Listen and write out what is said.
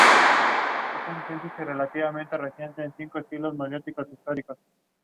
It is serviced by Metro Trains' Pakenham and Cranbourne line services.